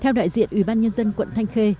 theo đại diện ủy ban nhân dân quận thanh khê